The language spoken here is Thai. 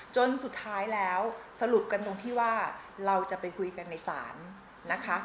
จนสุดท้ายแล้วสรุปกันตรงที่ว่าเราจะไปคุยกันในศาลนะคะ